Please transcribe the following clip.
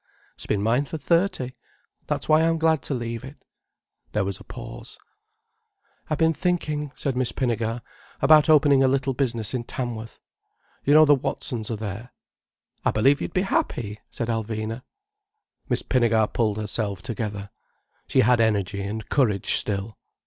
"It's been mine for thirty. That's why I'm glad to leave it." There was a pause. "I've been thinking," said Miss Pinnegar, "about opening a little business in Tamworth. You know the Watsons are there." "I believe you'd be happy," said Alvina. Miss Pinnegar pulled herself together. She had energy and courage still.